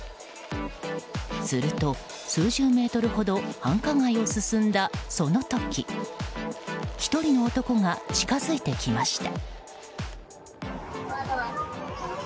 すると、数十メートルほど繁華街を進んだその時１人の男が近づいてきました。